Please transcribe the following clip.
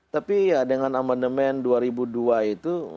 tapi ya dengan amandemen dua ribu dua itu